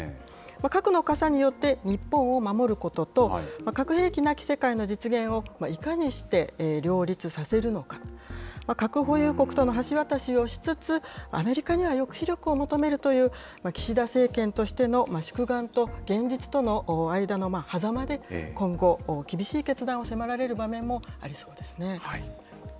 核の傘によって、日本を守ることと、核兵器なき世界の実現をいかにして両立させるのか、核保有国との橋渡しをしつつ、アメリカには抑止力を求めるという、岸田政権としての宿願と現実との間のはざまで今後、厳しい決断を迫られる場面もありそうですね。